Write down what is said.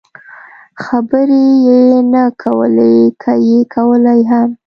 خبرې یې نه کولې، که یې کولای هم.